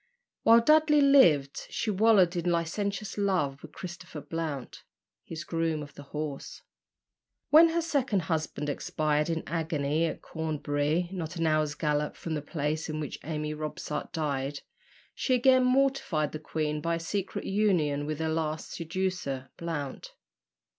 While Dudley lived, she wallowed in licentious love with Christopher Blount, his groom of the horse. When her second husband expired in agony at Cornbury, not an hour's gallop from the place in which Amy Robsart died, she again mortified the queen by a secret union with her last seducer, Blount.